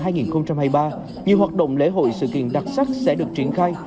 nhiều hoạt động lễ hội sự kiện đặc sắc sẽ được triển khai